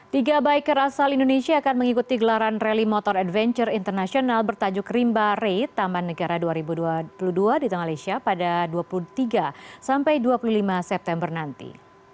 tiga biker asal indonesia akan mengikuti gelaran rally motor adventure internasional bertajuk rimba ray taman negara dua ribu dua puluh dua di tengah lesia pada dua puluh tiga sampai dua puluh lima september nanti